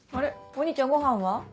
お兄ちゃんごはんは？